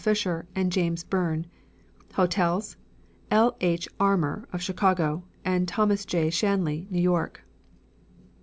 Fisher and James Byrne; Hotels L. H. Armour, of Chicago, and Thomas J. Shanley, New York.